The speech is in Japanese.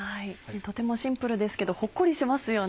とてもシンプルですけどほっこりしますよね。